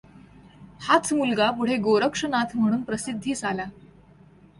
हाच मुलगा पुढे गोरक्षनाथ म्हणून प्रसिद्धीस आला.